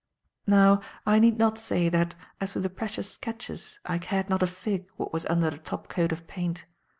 Now, I need not say that, as to the precious sketches, I cared not a fig what was under the top coat of paint.